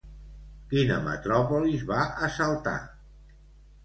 Quina metròpolis va assaltar?